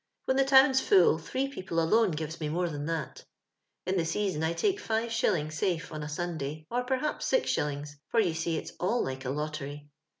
When the town's full three people alone gives mo more than that. In the season I take 65. safe on a Sunday, or perhaps Oa. — for you see it's all like a lottery.